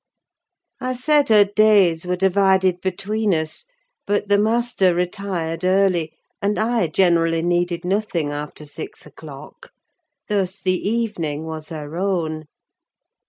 I said her days were divided between us; but the master retired early, and I generally needed nothing after six o'clock, thus the evening was her own.